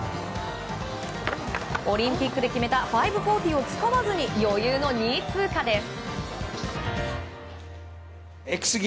オリンピックで決めた５４０を使わずに余裕の２位通過です。